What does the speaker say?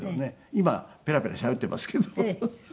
今ペラペラしゃべっていますけどフフフフ。